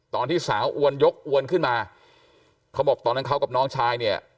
ตอนที่สาวอวนยกอวนขึ้นมาเขาบอกตอนนั้นเขากับน้องชายเนี่ย